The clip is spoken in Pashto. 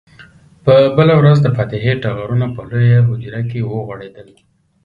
په بله ورځ د فاتحې ټغرونه په لویه حجره کې وغوړېدل.